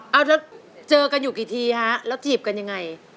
เอาแล้วเจอกันอยู่กี่ทีฮะแล้วถีบกันยังไง